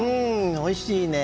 おいしいね。